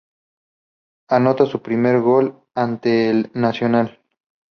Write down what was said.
Anota su primer gol ante el El Nacional.